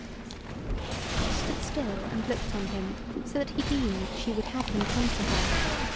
She stood still and looked on him, so that he deemed she would have him come to her.